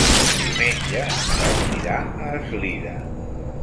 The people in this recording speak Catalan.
Diumenge en Ton irà a Eslida.